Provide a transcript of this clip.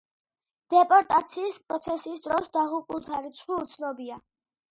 დეპორტაციის პროცესის დროს დაღუპულთა რიცხვი უცნობია.